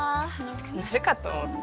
鳴るかと思った。